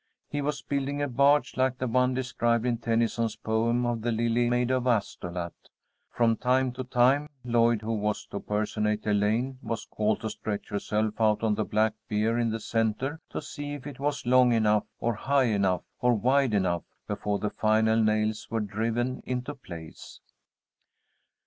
He was building a barge like the one described in Tennyson's poem of the Lily Maid of Astolat. From time to time, Lloyd, who was to personate Elaine, was called to stretch herself out on the black bier in the centre, to see if it was long enough or high enough or wide enough, before the final nails were driven into place.